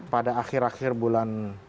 pada akhir akhir bulan